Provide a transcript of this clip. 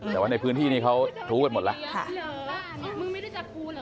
แต่ว่าในพื้นที่นี้เขาถูกกันหมดแล้ว